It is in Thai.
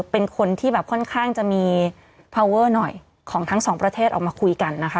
เป็นคนที่แบบค่อนข้างจะมีพาวเวอร์หน่อยของทั้งสองประเทศออกมาคุยกันนะคะ